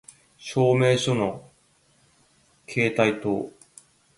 証明書の携帯等